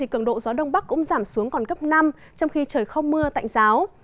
cường độ gió đông bắc cũng giảm xuống còn cấp năm trong khi trời không mưa tạnh giáo